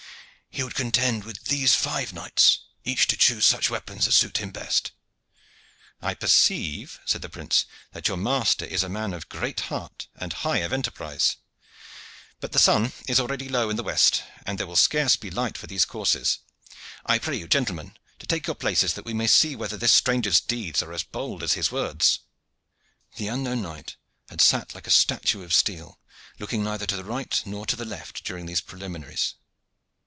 "He would contend with these five knights, each to choose such weapons as suit him best." "I perceive," said the prince, "that your master is a man of great heart and high of enterprise. But the sun already is low in the west, and there will scarce be light for these courses. I pray you, gentlemen, to take your places, that we may see whether this stranger's deeds are as bold as his words." The unknown knight had sat like a statue of steel, looking neither to the right nor to the left during these preliminaries.